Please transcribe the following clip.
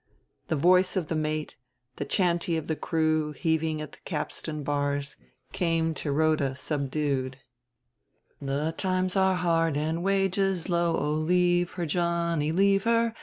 The voice of the mate, the chantey of the crew heaving at the capstan bars, came to Rhoda subdued: _"The times are hard and wages low, Oh, leave her, Johnny, leave her.